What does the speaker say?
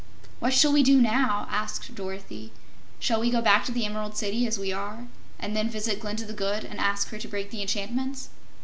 "What shall we do now?" asked Dorothy. "Shall we go back to the Emerald City, as we are, and then visit Glinda the Good and ask her to break the enchantments?"